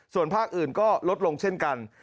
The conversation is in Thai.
ส่วนภาคอื่นก็ลดลงเช่นกัน